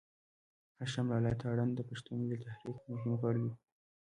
هاشم لالا تارڼ د پښتون ملي تحريک مهم غړی و.